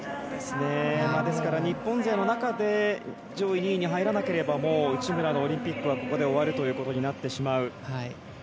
ですから、日本勢の中で上位２位に入らなければもう内村のオリンピックはここで終わるということになってしまう。